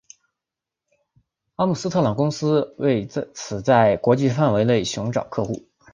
阿姆斯特朗公司为此在国际范围内寻找客户。